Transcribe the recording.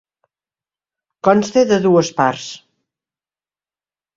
Consta de dues parts.